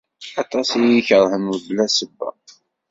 Aṭas i iyi-ikerhen mebla ssebba.